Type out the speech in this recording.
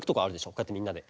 こうやってみんなで。